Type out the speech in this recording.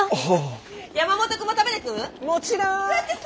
山本君も食べてく？